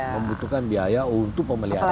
membutuhkan biaya untuk pemeliharaan